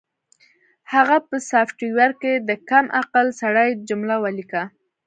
هغه په سافټویر کې د کم عقل سړي جمله ولیکله